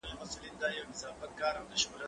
زه مخکي لوبه کړې وه!؟